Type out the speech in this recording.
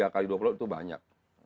dua tiga kali dua puluh itu banyak